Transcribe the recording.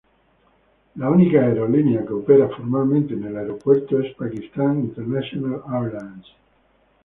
La única aerolínea que opera formalmente en el aeropuerto es Pakistan International Airlines.